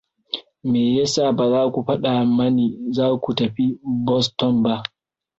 Me yasa ba za ku fada mani za ku tafi Boston ba?